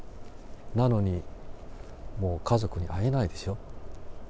なのに、もう家族に会えないでしょう。